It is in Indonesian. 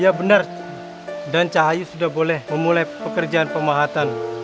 iya benar dan jahayu sudah boleh memulai pekerjaan pemahatan